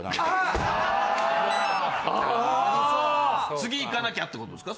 次行かなきゃってことですか？